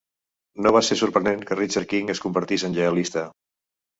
No va ser sorprenent que Richard King es convertís en lleialista.